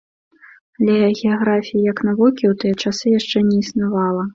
Але геаграфіі, як навукі, у тыя часы яшчэ не існавала.